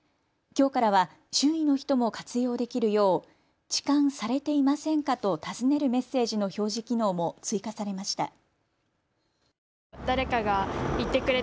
きょうからは周囲の人も活用できるようちかんされていませんか？と尋ねるメッセージの表示機能も追加されました。